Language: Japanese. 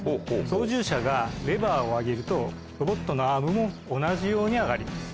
操縦者がレバーを上げるとロボットのアームも同じように上がります。